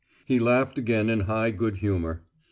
He laughed again in high good humour.